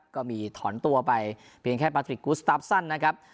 ก็มีถอนตัวไปเพียงแค่ปาทริกกูสตาฟสั้นนะครับ